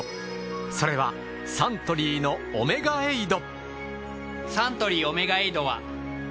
それはサントリーのオメガエイド。